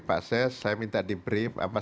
pak ses saya minta diberi apa